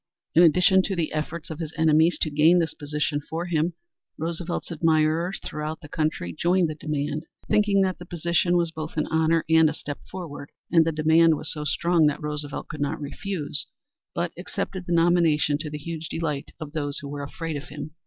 In addition to the efforts of his enemies to gain this position for him, Roosevelt's admirers throughout the country joined the demand, thinking that the position was both an honor and a step forward. And the demand was so strong that Roosevelt could not refuse, but accepted the nomination to the huge delight of those who were afraid of him.